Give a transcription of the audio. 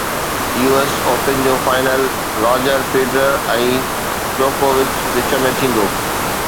U S open جو final Roger Federer ۽ جوڪووچ وچ ۾ ٿيندو